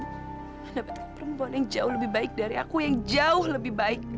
mendapatkan perempuan yang jauh lebih baik dari aku yang jauh lebih baik